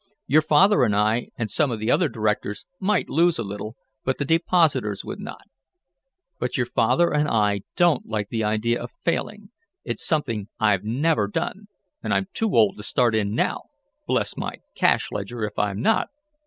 Your father and I, and some of the other directors, might lose a little, but the depositors would not. But your father and I don't like the idea of failing. It's something I've never done, and I'm too old to start in now, bless my cash ledger if I'm not!"